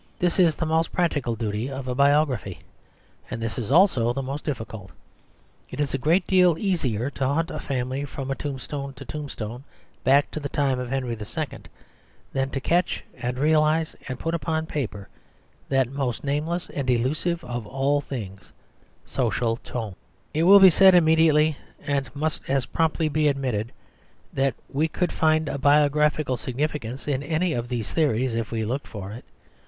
This is the most practical duty of biography, and this is also the most difficult. It is a great deal easier to hunt a family from tombstone to tombstone back to the time of Henry II. than to catch and realise and put upon paper that most nameless and elusive of all things social tone. It will be said immediately, and must as promptly be admitted, that we could find a biographical significance in any of these theories if we looked for it.